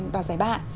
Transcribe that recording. đoạt giải ba